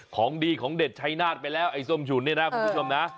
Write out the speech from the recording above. ของดีของเด็ดชัยนาธไปแล้วไอ้ส้มฉุนเนี่ยนะคุณผู้ชมนะ